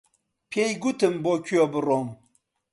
پێی گوتم بۆ کوێ بڕۆم.